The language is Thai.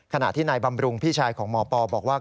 ขณะที่นายบำรุงพี่ชายของหมอปอบอกว่า